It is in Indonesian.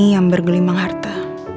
yang bergelimang harta